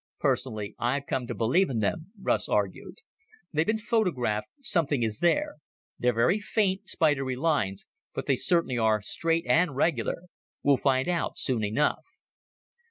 "Personally, I've come to believe in them," Russ argued. "They've been photographed something is there. They're very faint, spidery lines, but they certainly are straight and regular. We'll find out soon enough."